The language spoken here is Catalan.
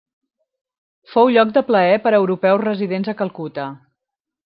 Fou lloc de plaer per europeus residents a Calcuta.